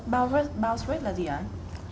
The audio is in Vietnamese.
bounce rate là gì ạ